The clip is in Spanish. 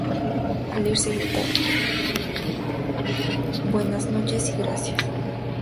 Al irse grita ¡Buenas noches y gracias!